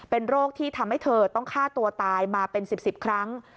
เป็นโรคที่ทำให้เธอต้องฆ่าตัวตายมาเป็น๑๐ครั้ง